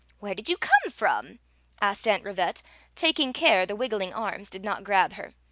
"Where did you come from? asked Aunt Ri vette, taking care the wiggling arms did not grab her.